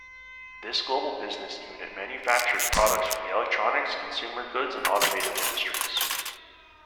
This Global Business Unit manufactures products for the electronics, consumer goods and automotive industries.